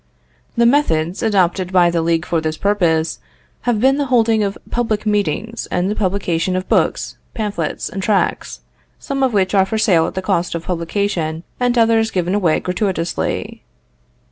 The methods adopted by the League for the purpose have been the holding of public meetings and the publication of books, pamphlets, and tracts, some of which are for sale at the cost of publication, and others given away gratuitously.